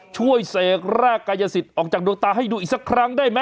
เสกแรกกายสิทธิ์ออกจากดวงตาให้ดูอีกสักครั้งได้ไหม